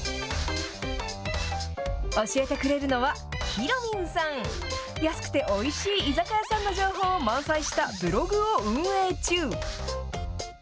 教えてくれるのは、ひろみんさん。安くておいしい居酒屋さんの情報を満載したブログを運営中。